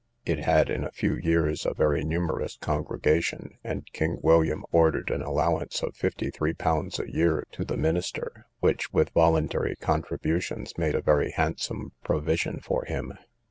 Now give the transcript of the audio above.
It had, in a few years, a very numerous congregation, and King William ordered an allowance of fifty three pounds a year to the minister; which, with voluntary contributions, made a very handsome provision for him.